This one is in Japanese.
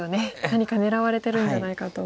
何か狙われてるんじゃないかと。